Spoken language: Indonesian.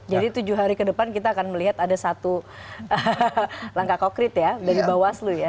jadi tujuh hari ke depan kita akan melihat ada satu langkah konkret ya dari bawaslu ya